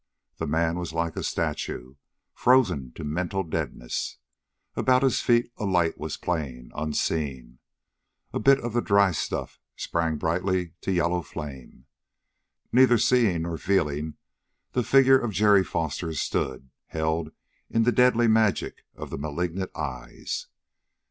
The man was like a statue, frozen to mental deadness. About his feet a light was playing, unseen. A bit of the dry stuff sprang brightly to yellow flame. Neither seeing nor feeling, the figure of Jerry Foster stood, held in the deadly magic of the malignant eyes.